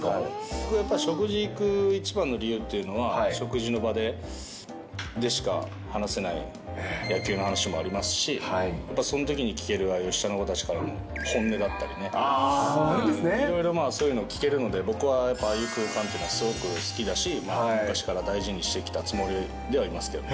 僕はやっぱり食事行く一番の理由っていうのは、食事の場でしか話せない野球の話もありますし、そのときに聞ける、ああいう下の子たちからの本音だったりね、いろいろまあ、そういうのを聞けるので、僕はやっぱああいう空間っていうのはすごく好きだし、昔から大事にしてきたつもりではいますけど。